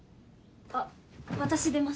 あっ私出ます。